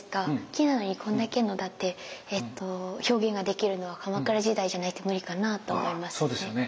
木なのにこんだけの表現ができるのは鎌倉時代じゃないと無理かなと思いますね。